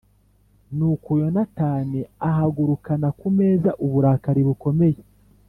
Nuko Yonatani ahagurukana ku meza uburakari bukomeye